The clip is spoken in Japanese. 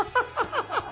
ハハハハ！